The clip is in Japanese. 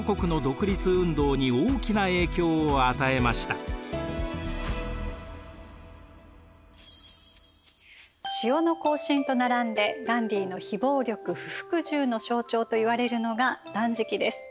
第二次世界大戦後塩の行進と並んでガンディーの非暴力・不服従の象徴といわれるのが断食です。